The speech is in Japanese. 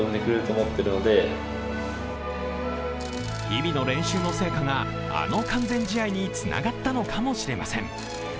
日々の練習の成果があの完全試合につながったのかもしれません。